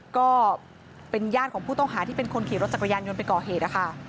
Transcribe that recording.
ก็เป็นญาติของผู้ต้องหาที่เป็นคนขี่รถจักรยานยนต์ไปก่อเหตุนะคะ